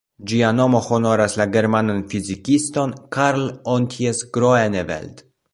Ĝia nomo honoras la germanan fizikiston "Karl-Ontjes Groeneveld".